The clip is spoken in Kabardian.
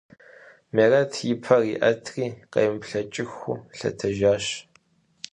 Мерэт и пэр иӀэтри къемыплъэкӀыххэу лъэтэжащ.